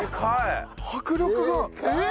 迫力がえっ！？